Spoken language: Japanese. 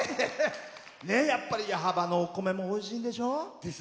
やっぱり矢巾のお米もおいしいんでしょ。